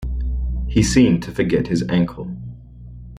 He seemed to forget his ankle.